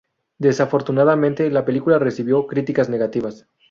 Desafortunadamente, la película recibió críticas negativas.